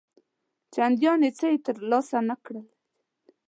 چنداني څه یې تر لاسه نه کړل.